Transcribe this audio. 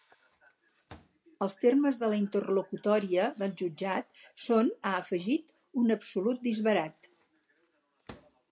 Els termes de la interlocutòria del jutjat són, ha afegit, ‘un absolut disbarat’.